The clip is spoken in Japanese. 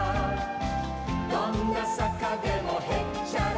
「どんなさかでもへっちゃらさ」